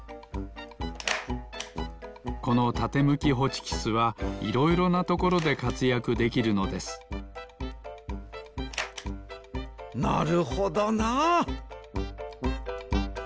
このたてむきホチキスはいろいろなところでかつやくできるのですなるほどなあ。